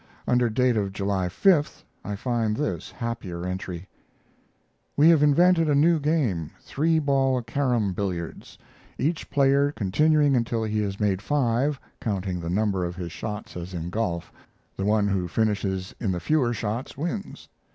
Under date of July 5th I find this happier entry: We have invented a new game, three ball carom billiards, each player continuing until he has made five, counting the number of his shots as in golf, the one who finishes in the fewer shots wins.